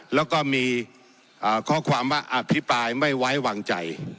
แล้วก็มีข้อความว่าอภิปรายไม่ไว้วางใจ